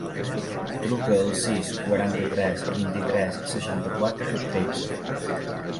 Truca al sis, quaranta-tres, vint-i-tres, seixanta-quatre, tretze.